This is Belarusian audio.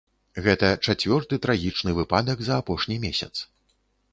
Гэта чацвёрты трагічны выпадак за апошні месяц.